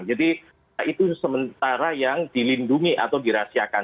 itu sementara yang dilindungi atau dirahasiakan